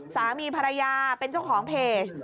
สามีภรรยาเป็นเจ้าของเพจ